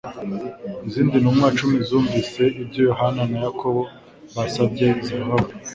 Izindi ntumwa cumi zumvise ibyo Yohana na Yakobo basabye zirababara.